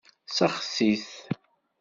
Seɣtit-t.